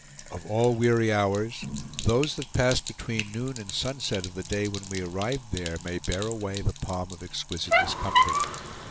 Of all weary hours, those that passed between noon and sunset of the day when we arrived there may bear away the palm of exquisite discomfort.